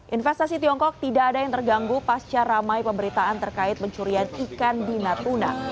investasi tiongkok tidak ada yang terganggu pasca ramai pemberitaan terkait pencurian ikan di natuna